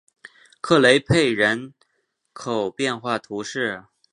克雷佩人口变化图示